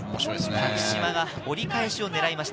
多久島が折り返しを狙いました。